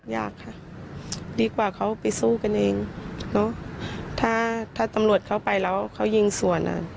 อยากค่ะดีกว่าเขาไปสู้กันเองเนอะถ้าถ้าตำรวจเข้าไปแล้วเขายิงสวนอ่ะ